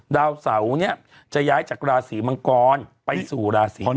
ดาวเสานี้จะย้ายจากราศศรีมังกรไปสู่ราศศรีภูมิ